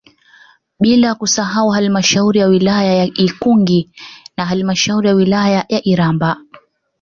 Bila kusahau Halamashauri ya wilaya ya Ikungi na halmashauri ya wilaya Iramba